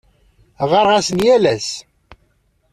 Ɣɣareɣ-asen yal ass.